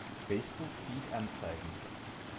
Facebook-Feed anzeigen!